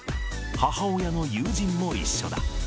母親の友人も一緒だ。